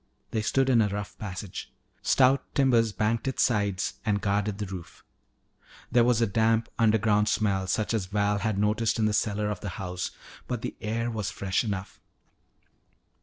They stood in a rough passage. Stout timbers banked its sides and guarded the roof. There was a damp underground smell such as Val had noted in the cellar of the house, but the air was fresh enough.